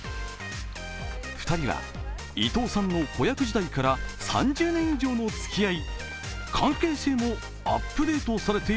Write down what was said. ２人は伊藤さんの子役時代から３０年以上のつきあい。